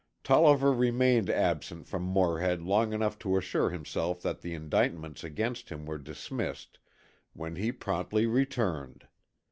Tolliver remained absent from Morehead long enough to assure himself that the indictments against him were dismissed, when he promptly returned.